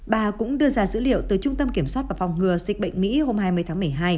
bà cũng đưa ra dữ liệu từ trung tâm kiểm soát và phòng ngừa dịch bệnh mỹ hôm hai mươi tháng một mươi hai